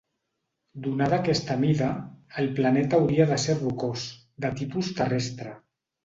Donada aquesta mida, el planeta hauria de ser rocós, de tipus terrestre.